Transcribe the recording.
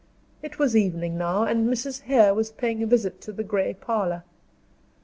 It was evening now, and Mrs. Hare was paying a visit to the gray parlor.